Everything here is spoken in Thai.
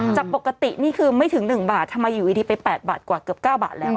จากปกตินี่คือไม่ถึง๑บาททำไมอยู่ดีไป๘บาทกว่าเกือบ๙บาทแล้ว